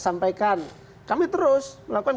sampaikan kami terus melakukan